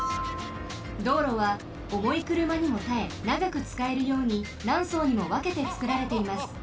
道路はおもいくるまにもたえながくつかえるようになんそうにもわけてつくられています。